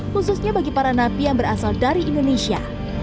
khususnya bagi para napi yang berasal dari indonesia